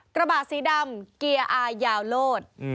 กระบะสีดำเกียร์อายาวโลศ